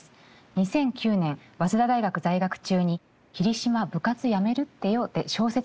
２００９年早稲田大学在学中に「桐島、部活やめるってよ」で小説